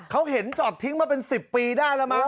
เขาเห็นจอดทิ้งมาเป็น๑๐ปีได้แล้วมั้